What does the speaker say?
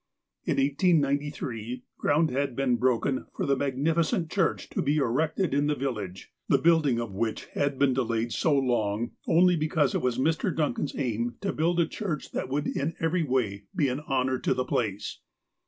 In 1893, ground had been broken for the magnificent church to be erected in the village, the building of which had been delayed so long only because it was Mr. Dun can's aim to build a church that would in every way be an honour to the place.